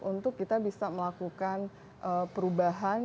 untuk kita bisa melakukan perubahan